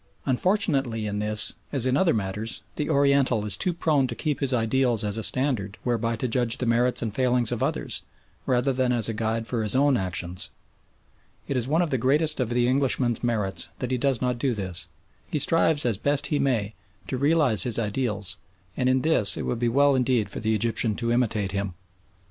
Unfortunately in this, as in other matters, the Oriental is too prone to keep his ideals as a standard whereby to judge the merits and failings of others, rather than as a guide for his own actions. It is one of the greatest of the Englishman's merits that he does not do this. He strives as best he may to realise his ideals, and in this it would be well indeed for the Egyptian to imitate him.